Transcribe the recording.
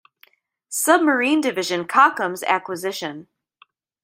Submarine division Kockums acquisition.